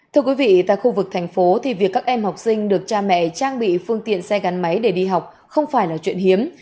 thưa quý vị tại khu vực thành phố thì việc các em học sinh được cha mẹ trang bị phương tiện xe gắn máy để đi học không phải là chuyện hiếm